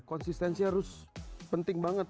konsistensi harus penting banget